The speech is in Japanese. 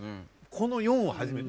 この４は初めて。